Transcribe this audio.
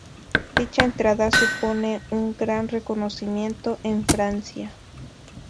Dicha entrada supone un gran reconocimiento en Francia.